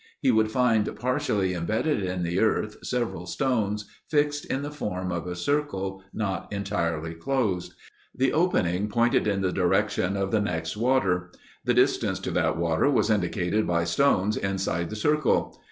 He would find partially imbedded in the earth several stones fixed in the form of a circle not entirely closed. The opening pointed in the direction of the next water. The distance to that water was indicated by stones inside the circle.